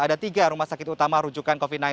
ada tiga rumah sakit utama rujukan covid sembilan belas